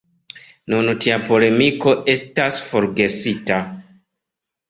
Nun tia polemiko estas forgesita.